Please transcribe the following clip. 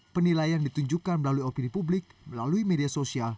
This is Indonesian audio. penilaian ditunjukkan melalui opini publik melalui media sosial